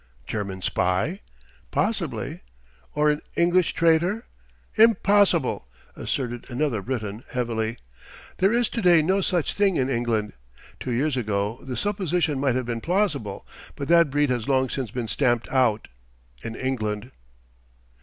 "German spy?" "Possibly." "Or an English traitor?" "Impossible," asserted another Briton heavily. "There is to day no such thing in England. Two years ago the supposition might have been plausible. But that breed has long since been stamped out in England."